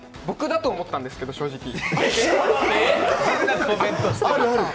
僕だと思ったんですけど、正直。